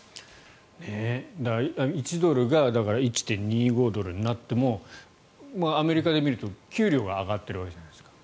１ドルが１．２５ドルになってもアメリカで見ると給料が上がってるわけじゃないですか。